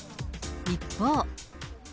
一方。